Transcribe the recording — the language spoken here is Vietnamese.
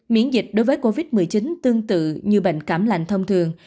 miễn dịch đối với covid một mươi chín tương tự như bệnh cảm lành thông thường